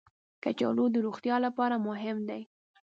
کچالو د روغتیا لپاره مهم دي